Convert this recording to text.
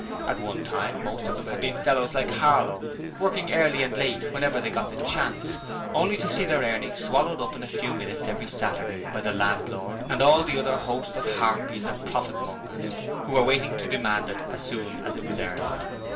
At one time most of them had been fellows like Harlow, working early and late whenever they got the chance, only to see their earnings swallowed up in a few minutes every Saturday by the landlord and all the other host of harpies and profitmongers, who were waiting to demand it as soon as it was earned.